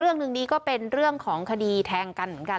เรื่องนึงนี้เป็นเรื่องของคดีแทงกัน